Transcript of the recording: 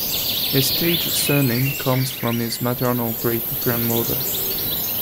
His stage surname comes from his maternal great-grandmother.